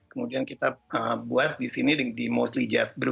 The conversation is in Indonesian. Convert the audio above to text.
kemudian kita buat di sini di mostly jazz